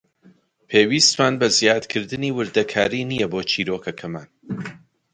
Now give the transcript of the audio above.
پێویستمان بە زیادکردنی وردەکاری نییە بۆ چیرۆکەکەمان.